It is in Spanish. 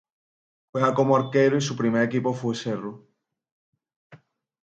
Juega como arquero y su primer equipo fue Cerro.